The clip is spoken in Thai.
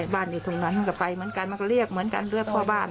อยู่ตรงนั้นก็ไปเหมือนกันมันก็เรียกเหมือนกันเรียกพ่อบ้าน